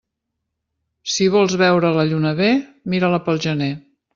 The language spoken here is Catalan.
Si vols veure la lluna bé, mira-la pel gener.